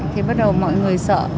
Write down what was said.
thì bắt đầu mọi người sợ